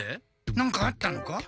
何かあったのか？